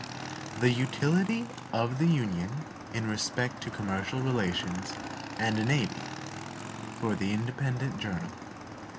11 The Utility of the Union in Respect to Commercial Relations and a Navy For the Independent Journal.